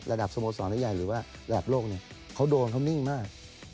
ระดับสมศจรณ์ใหญ่หรือว่าระแบบโลกเขาโดนเขานิ่งมาก